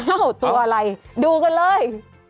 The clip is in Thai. อ้าวตัวอะไรดูกันเลย